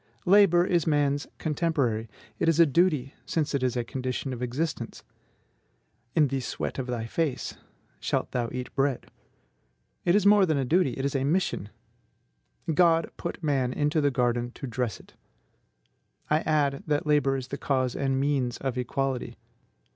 Labor is man's contemporary; it is a duty, since it is a condition of existence: "In the sweat of thy face shalt thou eat bread." It is more than a duty, it is a mission: "God put the man into the garden to dress it." I add that labor is the cause and means of equality.